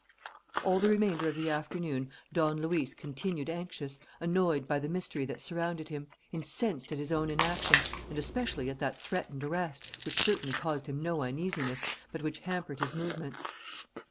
All the remainder of the afternoon Don Luis continued anxious, annoyed by the mystery that surrounded him, incensed at his own inaction, and especially at that threatened arrest, which certainly caused him no uneasiness, but which hampered his movements.